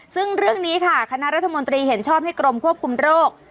ซึ่งเรื่องนี้ค่ะคณะรัฐมนตรีเห็นชอบให้กรมควบคุมโรค